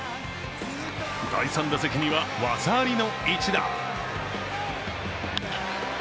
第３打席には、技ありの一打。